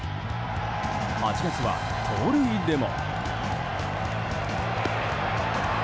８月は盗塁でも。